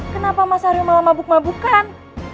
kenapa mas ari malah mabuk mabukan